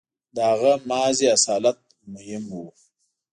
• د هغه محض اصالت مهم و.